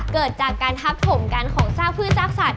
เกิดจากการทับขมกันของสร้างพืชสักสัตว์